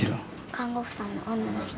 看護師さんの女の人。